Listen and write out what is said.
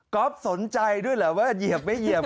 กรอปสนใจด้วยหรือว่าเหยียบมั้ยเหยียบ